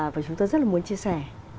và chúng tôi rất là muốn chia sẻ